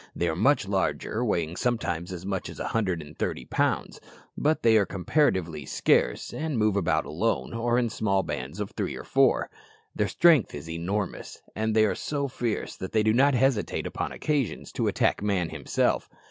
They are much larger, weighing sometimes as much as a hundred and thirty pounds; but they are comparatively scarce, and move about alone, or in small bands of three or four. Their strength is enormous, and they are so fierce that they do not hesitate, upon occasions, to attack man himself.